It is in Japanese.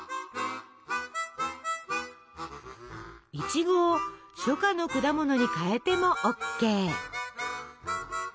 いちごを初夏の果物に変えてもＯＫ。